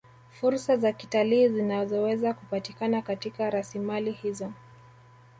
Fursa za kitalii zinazoweza kupatikana katika rasimali hizo